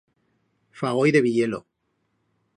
Fa goi de viyer-lo.